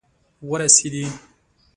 ورسیدي